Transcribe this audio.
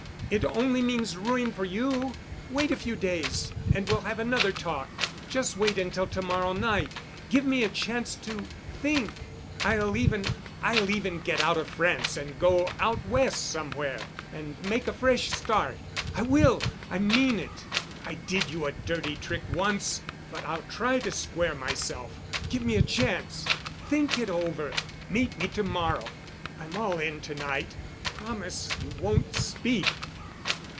It only means ruin for you. Wait a few days and we'll have another talk; just wait until to morrow night. Give me a chance to think. I'll even—I'll even get out of France and go out West somewhere and make a fresh start. I will. I mean it. I did you a dirty trick once, but I'll try to square myself. Give me a chance. Think it over. Meet me to morrow. I'm all in to night. Promise you won't speak."